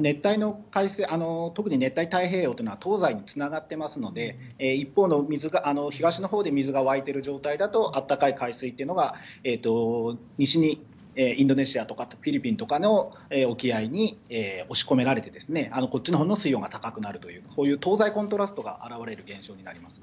熱帯の海水、特に熱帯太平洋というのは、東西につながっていますので、一方の、東のほうで水が湧いてる状態だと、あったかい海水というのが西に、インドネシアとかフィリピンとかの沖合に押し込められて、こっちのほうの水温が高くなるという、そういう東西コントラストが現れる現象になります。